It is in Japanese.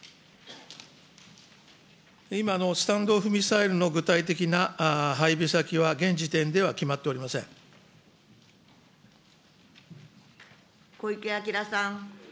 今、スタンド・オフ・ミサイルの具体的な配備先は現時点では小池晃さん。